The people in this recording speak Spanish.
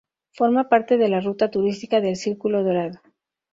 Forma parte de la ruta turística del Círculo Dorado.